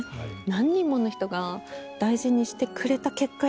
何人もの人が大事にしてくれた結果